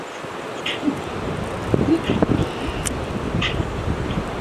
曾有尝试将有关的蝴蝶引入加利福尼亚甜灰蝶以往的栖息地。